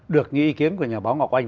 được những ý kiến của nhà báo ngọc anh